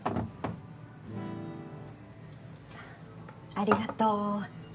ありがとう。